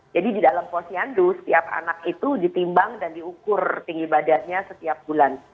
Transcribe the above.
jadi di dalam posyandu setiap anak itu ditimbang dan diukur tinggi badannya setiap bulan